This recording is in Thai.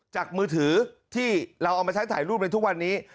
มือถือที่เราเอามาใช้ถ่ายรูปในทุกวันนี้